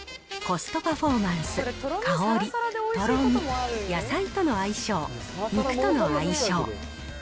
コストパフォーマンス、香り、とろみ、野菜との相性、肉との相性。